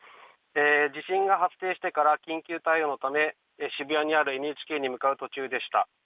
地震が発生してから緊急対応のため渋谷にあるＮＨＫに向かう途中でした。